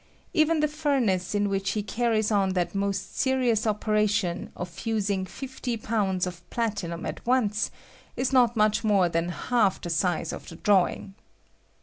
Even the furnace in which he carries on that most seriona operation of fiising fifty pounds of platinum at once is not much more than half the size of the drawing.